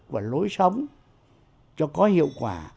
và lối sống cho có hiệu quả